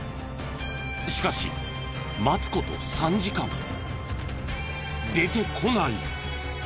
しかし待つ事３時間出てこない。